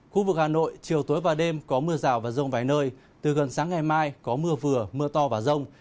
khu vực hà nội chiều tối và đêm có mưa rào và rông vài nơi từ gần sáng ngày mai có mưa vừa mưa to và rông